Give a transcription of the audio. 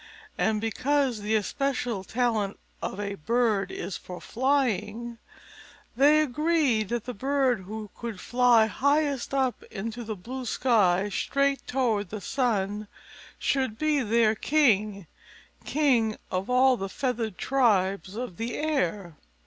And because the especial talent of a bird is for flying, they agreed that the bird who could fly highest up into the blue sky, straight toward the sun, should be their king, king of all the feathered tribes of the air.